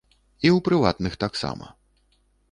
І ў прыватных таксама.